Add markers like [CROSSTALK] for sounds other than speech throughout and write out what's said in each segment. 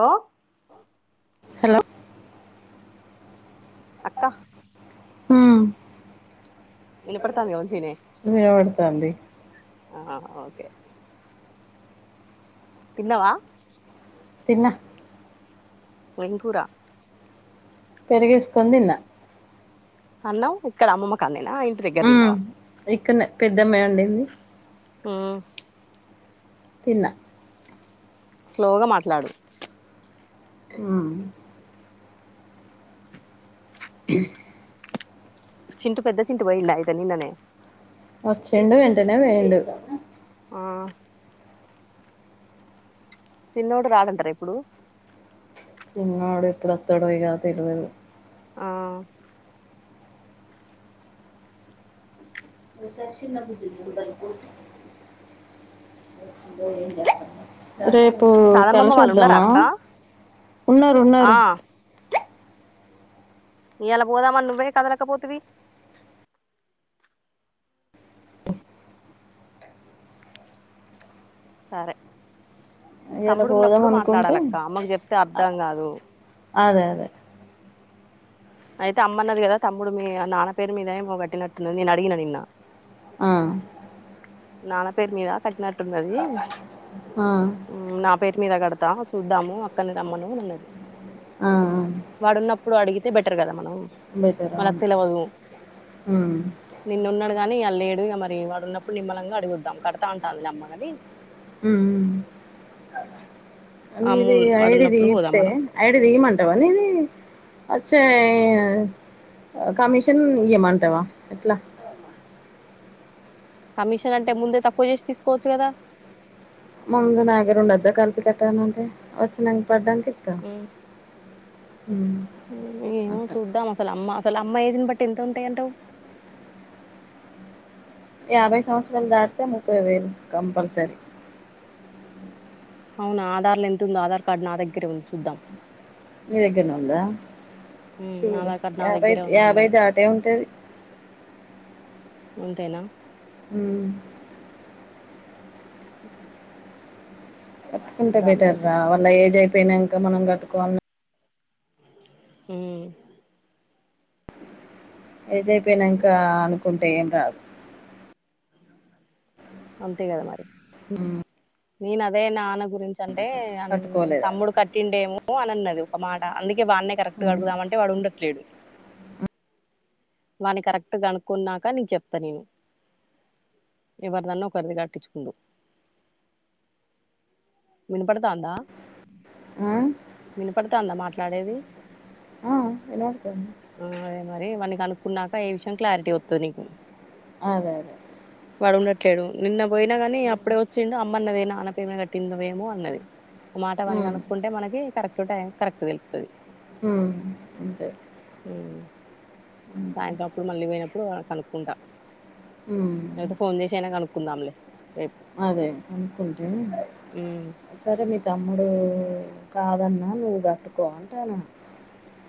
ఓ hello అక్క ఉమ్ వినపడతాంది చేనే వినపడతాంది ఆ ఓకే తిన్నవా తిన్నా ఏం కూర పెరిగేస్కొని తిన్న అన్నావ్ ఇక్కడ అమ్మమ్మ కాడ్నేన ఇంటి దగ్గర తిన్నావా ఇక్కడ పెద్దమ్మె వండింది మ్ తిన్నా స్లోగా మాట్లాడు క్రౌన్ చింటు పెద్ద చింటు పోయిండ ఐయితే నిన్ననే వచ్చిండు వెంటనే ఓయిండు ఆ చిన్నోడు రాడంటర ఇప్పుడు చిన్నోడు ఎప్పుడత్తడో ఇగ తెలువది ఆ ఓ సారి శిన్న బుజ్జి నెంబర్ ఇవ్వు రేప్ ఓ సాలమమ్మ వాళ్ళు ఉన్నారా కలిషద్దమా అక్క ఉన్నరు ఆ ఉన్నరు ఇయల పోదామని నువ్వే కదలకపోతివి సరే ఇయాల తమ్ముడు పోదాం ఉన్నప్పుడు అనుకుంటే మాట్లాడాలక్క అమ్మకు చెప్తే అర్థం కాదు అదే అదే అయితే అమ్మ అన్నది కదా తమ్ముడు మీ నాన్న పేరు మీద ఏమో గట్టినట్టున్నది నేను అడిగిన నిన్న ఆ నాన్న పేరు మీద కట్టినట్టు ఉన్నది ఆ నా పేరు మీద కడత్ దా చూద్దాము అక్కనే రమ్మను అన్నది ఆ వాడున్నప్పుడు అడిగితే బెటర్ కదా మనం బెటర్ మనకు అవును తెలవదు ఉమ్ నిన్నున్నడు కాని ఇయాళ లేేడు ఇగ మరి వాడు ఉన్నపుడు నిమ్మలంగా అడుగుద్దాం కడతా అంటాందిలే అమ్మగని ఆ అమ్ము నీది ఐడిది వాడున్నప్పుడు పోదాం దీస్తే మనం ఐడి తీయిమంటవా నీది అచ్చేయ్ కమిషన్ ఇయమంటవ ఎట్ల కమిషన్ అంటే ముందే తక్కువ చేసి తీసుకోవచ్చు కదా ముందు నా దగర ఉండద్దా కలిపి కట్టనంటే వచ్చినం వడ్డంటే ఇత్తం ఏమో చూద్దాం అసలు అమ్మ అసల్ అమ్మ ఏజ్ ని బట్టి ఎంత ఉంటయంటవ్ యాభై సంవత్సరాలు దాటితే ముప్పై వేలు కంపల్సరీ అవునా ఆధార్ల ఎంతుందో ఆధార్ కార్డు నా దగ్గరే ఉంది చూద్దాం. నీ దగ్గర్నె ఉందా చూడు ఆధార్ కార్డు నా యాభై దగ్గరే ఉంది యాభై అమ్మది దాటే ఉంటది అంతేనా ఊ ఉ ఉ కట్టుకుంటే బెటర్ రా వాళ్ళ ఏజ్ అయిపోయినంక మనం కట్టుకోం ఊ ఏజ్ ఐయిపోయినంక అనుకుంటే ఏం రాదు అంతే గద మరి ఉమ్, నేను అదే నానకు గురించి అంటే అన్ కట్టుకోలేదా తమ్ముడు కట్టిండేమో అని అన్నది ఒక మాట అందుక్ ఇగ వానే కరెక్ట్గా ఉమ్. అడుగుదామంటే వాడు ఉండట్లేడు వాని కరెక్ట్ గనుక్కున్నాక నీకు చెప్త నేను ఎవరిదన్న ఒకరిది కట్టించుకుందువ్ విన్పడతాంద? ఆ. వినపడుతాందా మాట్లాడేది. ఇనడుతుంది. ఆ అదే మరి వాన్నీ కనుకున్నాక ఏ విషయం క్లారిటీ వొత్తది నీకు. అదే అదే. వాడు ఉండట్లేదు నిన్న బొయిన కానీ అప్పుడే వొచ్చిండు అమ్మ అన్నది నాన్న పెమే కట్టింది నువేమో అన్నది. మాట వాని హ్మ్. కనుక్కుంటే మనకి కరెక్ట్ టైం కరెక్ట్ తెలుత్తది. హ్మ్. అంతే. ఉ. సాయంత్రం అప్పుడు మళ్ళీ పోయినప్పుడు ఓ అ కనుక్కుంటా. హ్మ్. లేపోతే ఫోన్ జెసి ఐన కనుకుందాం లె రేపు. అదే అనుకుంటే ఉమ్ సరే మీ తమ్ముడూ ఊ. కాదన్నా నువ్వు గట్టుకో అంటన.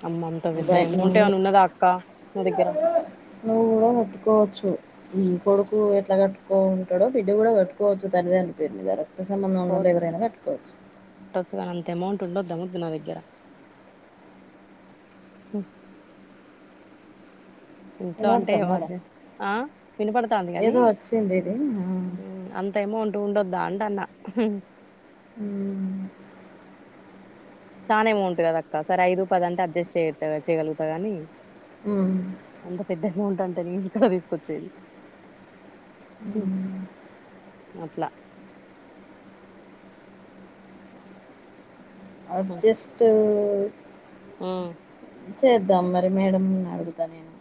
అమ్మ అంత వెద్ద ఏమోంటేమన్న ఉన్నదా అక్క ని దగ్గర. నువ్వు కూడా గట్టుకోవచ్చు ఇ కొడుకు గ. ఎట్లా కట్టుకోంటాడొ బిడ్డ కూడా గట్టుకోవచ్చు తల్లి జనిపోయింది గద. రక్త సంబంధం ఉన్నోళ్లు ఎవరైనా గట్టుకోవచ్చు. ఏమోంటుండొద్దా ఉండొద్ద ముద్దు నా దగ్గర హు. ఇంట్లో అంటే వినపడుతుందారా? వద్దె ఆ వినపడుతాంది కనీ ఏదో వచ్చింది ఇది. ఆ! ఉమ్ అంతేఎమోటు. టుండోదాంటన్న. ఉమ్. ఛానెమోంటూ గద అక్క సరె ఐదు పదంటే అజ్జేస్ చేత్తగ చేయగలుగుత గనీ. ఉమ్. పెద్దగా ఉంటాంటే నేను ఇక్కడ తీసుకొచ్చేది. హ్మ్. అట్లా. అడ్జస్టు ఊ. ఉమ్ చేద్దాం మరి మేడం ను అడుగుత నేను.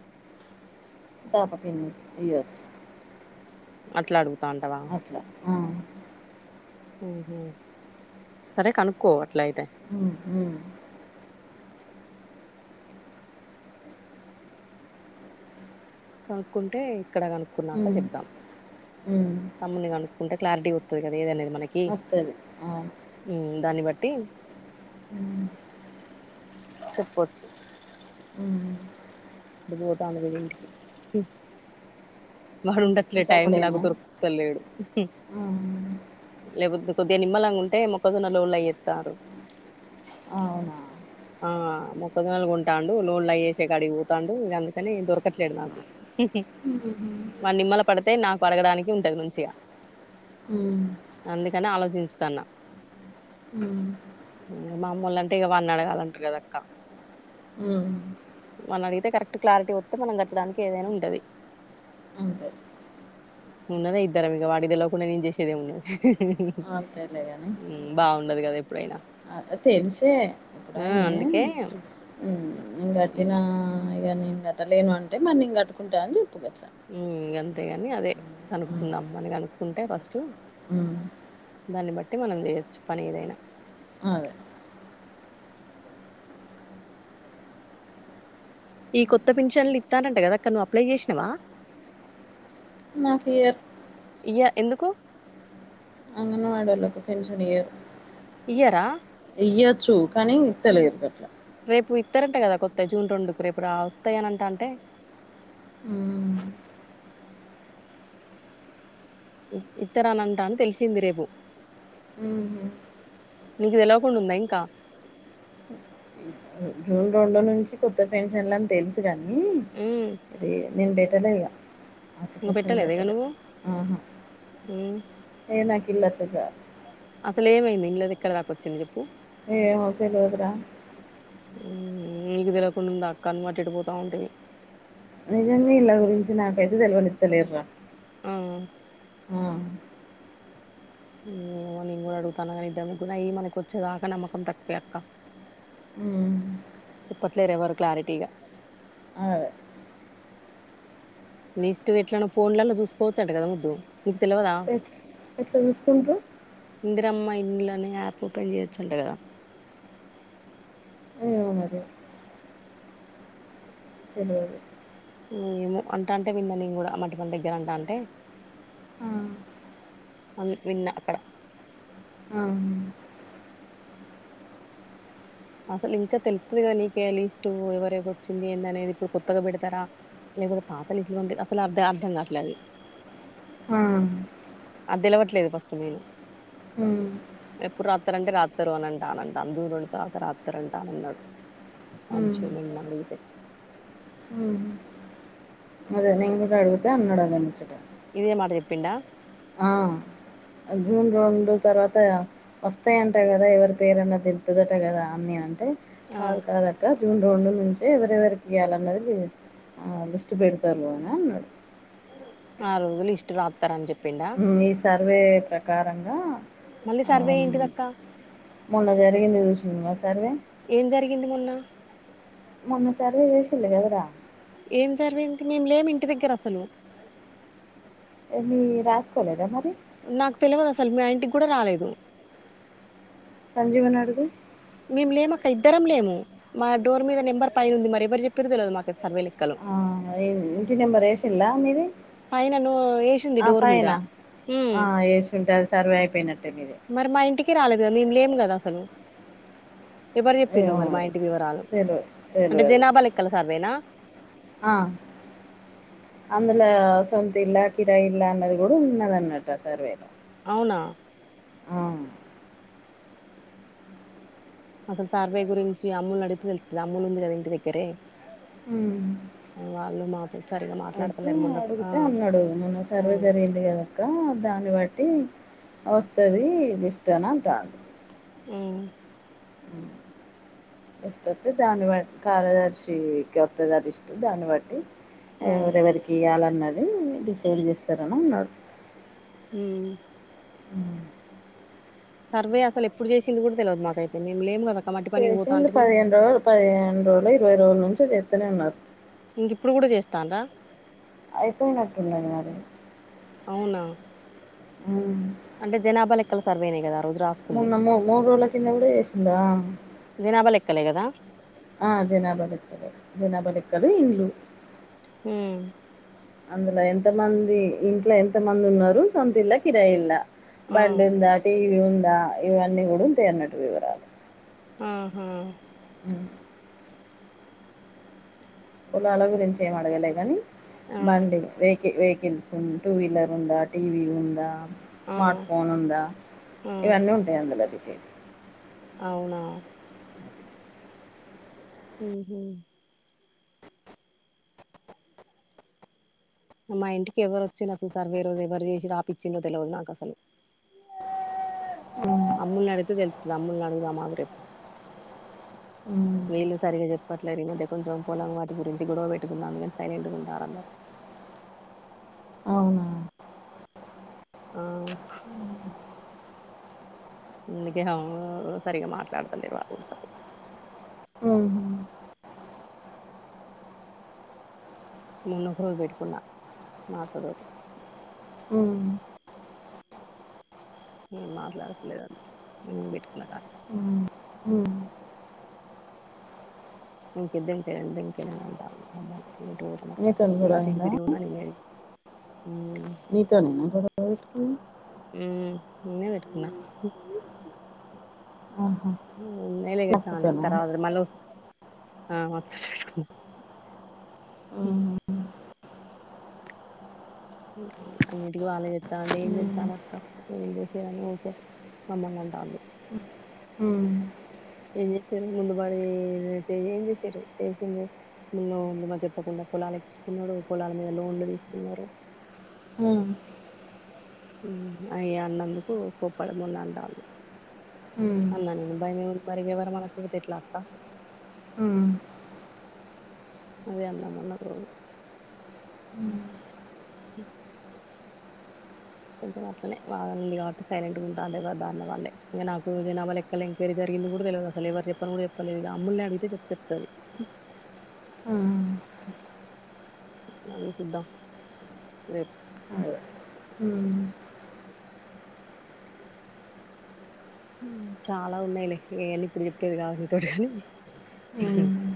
తాప కిన్ని ఇయ్యచ్చు. అట్లా అడుగుతా ఉంటావా. ఆ. హు హు సరే కనుకోవర్. ఉమ్. కనుక్కుంటే ఇక్కడ కనుక్కున్నాక ఉమ్, జెప్దాం. ఉమ్. తమ్ముని కనుక్కుంటే క్లారిటీ వొత్తది గద ఎదనేది. మనకి వస్తుంది ఆ. ఉమ్ దాన్ని బట్టి. అ చెప్పచ్చు. ఉమ్. ఇది బొత అన్నది విజే ఇంటికి. వాడు మీ ఉండట్లే టైం కి నాకు తమ్ముడేనా దొరుకుతలేడు ఉమ్. ఆ. లేపోదే కొద్దిగా నిమ్మలాంగా ఉంటే మొక్కజొన్నలు లూలా జెతార్రు. అవునా. ఆ. అ మొక్కజొన్నలు కొంటాండు నుల్లా ఏషే కాడికి వొతాండు ఇగ అందుకనే ఇ దొరకట్లేదు నాకు హు హు. ఉమ్, వాడు నిమ్మల పడితే నాకు అడగడానికి ఉంటది మంచిగా. ఉమ్, అందుకనే ఆలోచించుతన్న. ఉమ్ మమ్మోలంటే ఇగ వాన్ని అడగాలంటారు గద అక్క. ఉమ్. వన్నడిగితే కరెక్ట్ క్లారిటీ వస్తే మనం కట్టడానికి ఏదైనా ఉండది అంతే ఉన్నదే ఇద్దరం ఇగ వాడికి లేవకుండా నేను చేసేదే ఏం ఉన్నది అంతేలే అని ఉన్నది కదా ఎప్పుడైనా అద తెచ్చే ఆ అప్పుడయినే అందుకే ఇంకటిన ఉమ్ ఇగ నేన్ గట్టలేను అంటే మరి ఇగ నేన్ కట్టుకుంట అని ఉమ్ అంతేగాని అదే ఉమ్, కనుక్కుందాం మని కనుక్కుంటే ఫస్ట్ ఉమ్ దాన్ని బట్టి మనం చేయొచ్చు పని ఏదైనా అదే ఈ కొత్త పెన్షన్లు ఇత్తారంట కదా అక్క నువ్వు అప్లై చేసినవా మా ఫియర్ ఇయ్య ఎందుకు మా ఆడోళ్ళుకు పెన్షనీయ్యరు ఇయ్యరా ఇయ్యొచ్చు కానీ ఇతలేరు అట్లా ఇస్తారంట కదా కొత్త జూన్ రెండుకు రేపుడు వస్తాయ అని అంట అంటే ఉమ్. ఇతరనంటా అని తెలిసింది రేపు నీకు తెలివకుండా ఉందా ఇంకా జూన్ రెండు నుంచి కొత్త పెన్షన్లని తెలుసు కానీ ఉమ్ ఇ నేను తెనైగా ఇంక అషన్ పెట్టలేదా ఇగ బద నువ్వు ఆహా ఉమ్ ఏనకి అసలు ఏమైంది ఇంట్లో దిక్కడి దకొచ్చింది చెప్పు ఏమో తెలవదు రా నీకు తెలవకుండా ఉంద అక్క అను మట్టిడి పోతా ఉంటవి నిజంగా ఇళ్ల గురించి నాకైతే తెలివనిత్తలేర్ రా ఆవు ఏమో నేను కూడా అడుగుతాను కానీ ఇద్దకు అయి మనకి వచ్చేదాకా నమ్మకం తక్వే అక్క ఉమ్ చెప్పట్లేరు ఎవరు క్లారిటీగా అదే నేష్ట్ ఎట్లాన్నా ఫోన్లలో చూసుకోవచ్చ అంట కదా ముద్దు నీకు తెలియదా ఎట్- ఎట్లా చూసుకుంట్రూ ఇందిరమ్మ ఇళ్లనే యాప్ ఓపెన్ చేయొచ్చుంట కదా ఏమో మరి ఏదో ఉంది ఏమో అంట అంటే విన్నా నేను కూడా మటి మన దగ్గర అన్టంటే ఆ, అదే విన్నా అక్కడ ఆ. అసలు ఇంకా తెలుతది కదా నీకే లీస్ట్ ఎవర వచ్చింది ఏందనేది ఇప్పుడు కొత్తగా పెడతారా లేకపోతే పాతలిస్టులు ఉంటాయి అసలు అర్ధ అర్ధం కావట్లే అది ఆ అదేలవట్లేదు ఫస్ట్ మేన్ హ్మ్. ఎప్పుడు రాత్తరంటే రాస్తారు అని అంట ఆనంట అందుెండు త రాత రాస్తారంటే అనన్నాడు వంశీ నీన్నడుగుతే ఉహు అదే నినన్ గుడ అడుగుతే అన్నాడడముచ్చుట ఇదే మాట చెప్పిండా ఆ జూన్ రెండు తర్వాత వస్తాయంట కదా ఎవరి పేరన్నా తేలుతది కదా అని నేను అంటే ఆ కాదు కాదు అక్క [UNINTELLIGIBLE] నుంచే ఎవరెవరికి ఇయాల అన్నది ఆ లిస్ట్ పెడతారు అని అన్నాడు ఆ రోజులు లిస్ట్ రాతరు అని చెప్ మీ సర్వే ప్రకారం మళ్ళీ సర్వే ఎంటి దక్క మొన్న [UNINTELLIGIBLE] సర్వే ఏం జరిగింది మొన్న మొన్న సర్వే చేశిల్లు కదా ర ఏం కర్రీ జరిగింది మేము లేము ఇంటి దగ్గర అసలు రాస్ కొలేర మరి నాకు తెలియదు అసలు మా ఇంటికి కూడ రాలేదు సంజీవనన్ అడుగు మేము లేమక్క ఇద్దరం లేము మా డోర్ మీద నెంబర్ పైన ఉంది మరి ఎవ్వరు చెప్పారో తెలవదు మా సర్వే లెక్కలు ఆ ఇంటి నెంబర్ ఎషిల్ల మీది పైన ను ఎసింది ఆ డోర్ మీద పైన ఉమ్ ఆ వేసుంటే సర్వే అయిపోయినట్టే మీది ఇంటికే రాలేదు మేము లేము కదా అసలు ఎవరు చెప్పిండ్రో మరి మా ఇంటి వివరాలు తెల్వదు అంటే తెల్వదు జనాభా లెక్కల సర్వేనా ఆ అం ఇలా సొంత ఇల్ల కిరాయి ఇల్ల అన్నది కూడా ఉన్నద అన్నమాట సర్వేలో అవునా ఆ అసలు సార్వై గురించి అమూలు నడిగితే తెళ్తుంది అమూల్ ఉంది కదా ఇంటి దగ్గరే హు వాళ్ళు మాతో సరిగా అయితే మాట్లాడతలేరు మొన్న ఆ అడిగితే అన్నాడు నిన్న ఆ సర్వే జరిగింది కదక్క దాన్ని [UNINTELLIGIBLE] వస్తది నిష్టనంత ఉమ్ [UNINTELLIGIBLE] కారదర్శికి వత్తది ఆ లిస్ట్ దాని బట్టి ఆ ఎవరెవరికి ఇయ్యాలి అన్నది డిసైవ్ చేస్తారని అన్నాడు హు ఉ సర్వే అసలు ఎప్పుడు చేసింది కూడ తెలివదు మాకైతే మేము లేము కదా కమట్టి పనికి పోతా [UNINTELLIGIBLE] అంటే మేము పదిహేను రోజులు పదిహేను రోజులు ఇరవై రోజుల నుంచి చేస్తనే ఉన్నారు ఇంక ఇప్పుడు కూడ చేస్తాన్ర అయిపోయినట్టు ఉంది నాది అవునా అంటే జనాభా లెక్కల సర్వేనే కదా రోజు రాసుకుంది మొన్న మూ మూడు రోజుల కింద కూడా చేసిందా జనాభా లెక్కలే కదా ఆ జనాబ లెక్కలు జనబ లెక్కలు ఇండ్లు హు అందులో ఎంతమంది ఇంట్లో ఎంత మంది ఉన్నారు సొంతిల్ల కిరాయిల్ల ఆ బండి ఉందా టీవీ ఉందా ఇవన్నీ కూడా వుంటాయి అనట్టు వివరాలు ఆహా హ కులాల గురించి ఏం అడగలే గాని ఆ బండి వెహికల్స్ ఉ టూ వీలర్ ఉందా టీవీ ఉందా ఆ స్మార్ట్ ఫోన్ ఉందా ఆ ఇవన్నీ ఉంటాయి అందులోది అవునా ఉ హు మా ఇంటికి ఎవరు వచ్చిర్రో అసలు సర్వే రోజు ఎవరు చేసి రాపిచ్చిడ్రో తెలవదు నాకు అసలు అమ్ముల్ నడుగుతే తెలుత్తది అమ్ముల్ నడుగుదాం అగు రేపు వీళ్ళు సరిగా చెప్పట్లేదు ఈ మధ్య కొంచెం పొలం వాటి గురించి గొడవ పెట్టుకుంద అందుకని సైలెంట్గా ఉంటారందరు అవునా ఆ అందుకే సరిగా మాట్లాడతలే వాల్లు కూడా సరి మొన్న ఒకరోజు పెట్టుకున్నా మాత్త తోటి మాట్లాదాతలేదు అది నువ్ బెట్టుకున్న కాంచి ఇక దంకంకంటా [UNINTELLIGIBLE] ఎటు పోతనక్క నీతో నేను గొడవ అటు ఇటు అయిందా తిరిగి ఉన్న నేను ఏడు నీతోనే నా గొడవ పెట్టుకుంది ఉమ్ నేనే పెట్టుకున్న ఆహా. ఉన్నాయిలే ఇగ మీ చానే అత్తతోనా తర అ మలస ఆ మ హ అన్నింటికిీ వాళ్ళే చెస్తా అంటే ఏం చెస్తాల అక్క ఏం చేసేదని ఊకే మమ్మల్ని అంటాంది ఏం చేసిర్రు ముందు బడి ఏం చేసిర్రు చేసింది లోన్లు మా చెప్పకుండా పొలాలు ఎక్కించుకున్నడు పొలాల మీద లోన్లు తీసుకున్నరు అయ అన్నందుకు కోప్పడమొన్న అంటాంది అన్న నేను భయమేముంది మురిగేవర మనకుతట్లా అక్క అదే అన్న మొన్న ఓ ఉ కొంచెం అట్లనే వాదన ఉంది కాబట్టి సైలెట్గా ఉంట దారిన వాళ్ళే ఇంకా నాకు జనాభా లెక్కల ఎంక్వైరీ జరిగి ఇది కూడా తెలియదు అసలు ఎవరు చెప్పని కూడా చెప్పలేదు ఇక అమ్ముల్ని అడిగితే చె చెప్తది ఆ అడిగి చూద్దాం రేపు చాలా ఉన్నాయిలే ఏవన్నీ ఇప్పుడు చెప్పేది కావు నీతోటి కాని అదే.